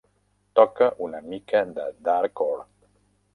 Toca una mica de darkcore.